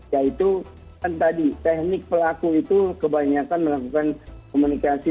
yaitu kan tadi teknik pelaku itu kebanyakan melakukan komunikasi